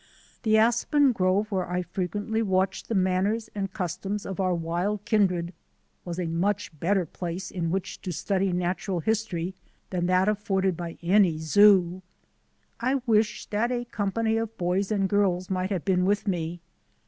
The aspen grove where I frequently watched the manners and customs of our wild kindred was a much better place in which to study natural history than that afforded by any zoo. I wish that a com pany of boys and girls might have been with me.